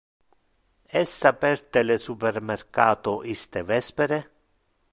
Es aperte le supermercato iste vespere?